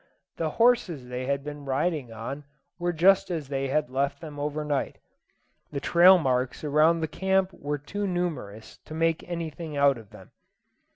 The horses they had been riding on were just as they had left them over night. The trail marks around the camp were too numerous to make anything out of them.